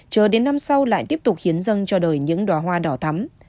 chờ đến năm sau lại tiếp tục khiến dân cho đời những đoá hoa đỏ thắm